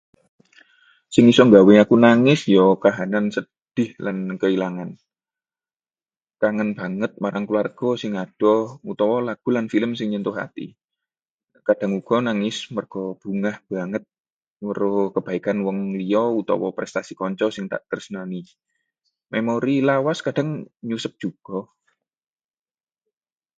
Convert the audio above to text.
Sing isa nggawe aku nangis ya kahanane sedhih kaya kehilangan, kangen banget marang kulawarga sing adoh, utawa lagu lan film sing nyentuh ati. Kadhang uga nangis merga bungah banget weruh kebaikan wong liyo utawa prestasi kanca sing tak tresnani. Memori lawas kadang nyusup uga.